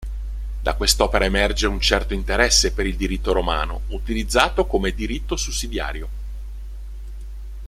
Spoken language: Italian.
Da quest'opera emerge un certo interesse per il diritto romano, utilizzato come diritto sussidiario.